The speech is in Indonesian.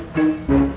bukan mau jual tanah